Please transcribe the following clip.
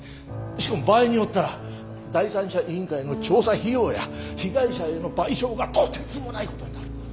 しかも場合によったら第三者委員会の調査費用や被害者への賠償がとてつもないことになる。